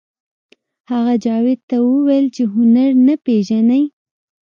هغه جاوید ته وویل چې هنر نه پېژنئ